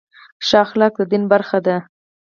ښه اخلاق د دین برخه ده.